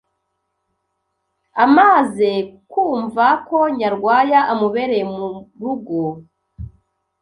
amaze kwumva ko Nyarwaya amubereye mu rugo